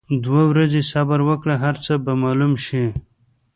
دوه ورځي صبر وکړه هرڅۀ به معلوم شي.